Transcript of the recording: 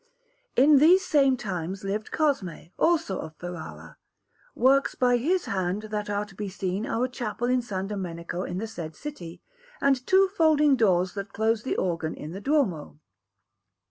In these same times lived Cosmè, also of Ferrara. Works by his hand that are to be seen are a chapel in S. Domenico in the said city, and two folding doors that close the organ in the Duomo.